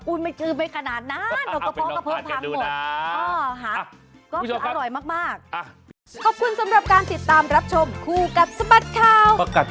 กินไม้ชื้นไม้ขนาดนั้น